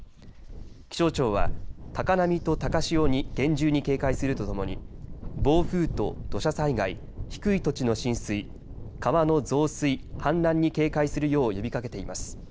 気象庁は高波と高潮に厳重に警戒するとともに暴風と土砂災害低い土地の浸水川の増水、氾濫に警戒するよう呼びかけています。